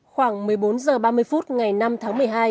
khoảng một mươi bốn h ba mươi phút ngày năm tháng một mươi hai